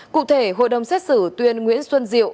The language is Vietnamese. cụ thể hội đồng xét xử tuyên nguyễn xuân diệu